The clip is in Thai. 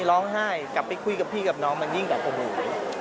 ร้องไห้กลับไปคุยกับพี่กับน้องมันยิ่งแบบโอ้โห